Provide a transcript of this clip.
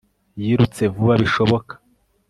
Yirutse vuba bishoboka